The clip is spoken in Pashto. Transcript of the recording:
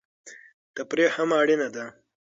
تفریح هم اړینه ده.